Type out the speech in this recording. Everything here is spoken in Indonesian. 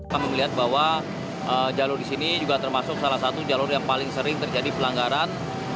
kami melihat bahwa jalur di sini juga termasuk salah satu jalur yang paling sering terjadi pelanggaran